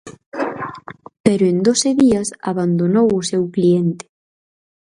Pero en doce días abandonou o seu cliente.